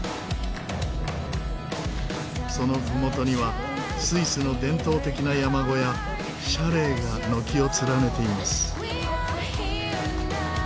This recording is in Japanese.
そのふもとにはスイスの伝統的な山小屋シャレーが軒を連ねています。